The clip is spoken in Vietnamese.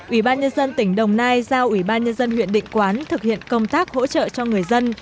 ubnd tỉnh đồng nai giao ubnd huyện định quán thực hiện công tác hỗ trợ cho người dân